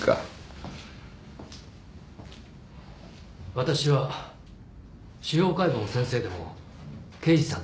わたしは司法解剖の先生でも刑事さんでもない。